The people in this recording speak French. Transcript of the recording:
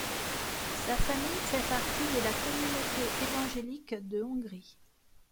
Sa famille fait partie de la communauté évangélique de Hongrie.